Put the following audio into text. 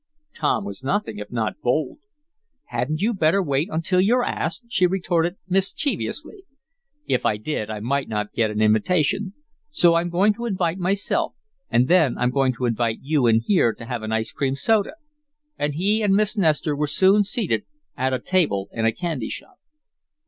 Tom was nothing if not bold. "Hadn't you better wait until you're asked?" she retorted, mischievously. "If I did I might not get an invitation. So I'm going to invite myself, and then I'm going to invite you in here to have an ice cream soda," and he and Miss Nestor were soon seated at a table in a candy shop.